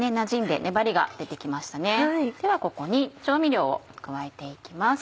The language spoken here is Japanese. ではここに調味料を加えて行きます。